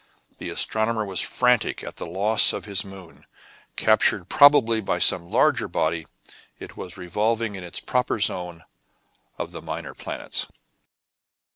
The astronomer was frantic at the loss of his moon. Captured probably by some larger body, it was revolving in its proper zone of the minor planets.